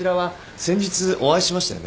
先日お会いしましたよね？